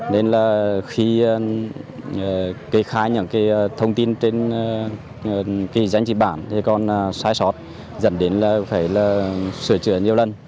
nên khi kể khai những thông tin trên danh chữ bản còn sai sót dẫn đến phải sửa chữa nhiều lần